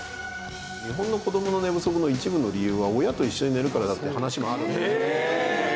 日本の子どもの寝不足の一部の理由は親と一緒に寝るからだって話もある。